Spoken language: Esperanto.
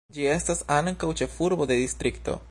Ĝi estas ankaŭ ĉefurbo de distrikto.